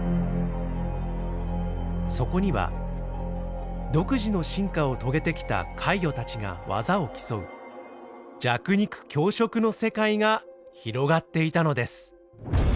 そこには独自の進化を遂げてきた怪魚たちが技を競う弱肉強食の世界が広がっていたのです。